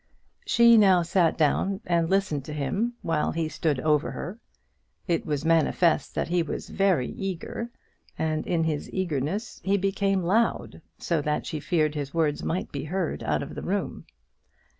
She now sat down and listened to him, while he stood over her. It was manifest that he was very eager, and in his eagerness he became loud, so that she feared his words might be heard out of the room.